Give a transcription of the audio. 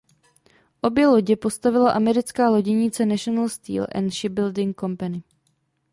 Obě lodě postavila americká loděnice National Steel and Shipbuilding Company.